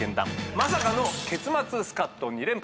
まさかの結末スカッと２連発。